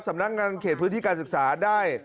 สำนักงานเขตพื้นที่การศึกษาได้